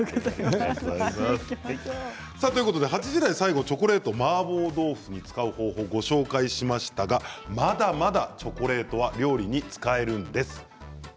８時台最後チョコレートをマーボー豆腐に使う方法をご紹介しましたがまだまだチョコレートは料理に使えるんです。